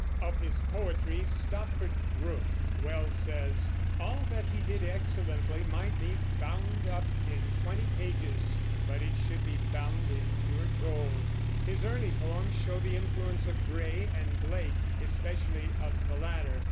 Of his poetry Stopford Brooke well says: "All that he did excellently might be bound up in twenty pages, but it should be bound in pure gold." His early poems show the influence of Gray and Blake, especially of the latter.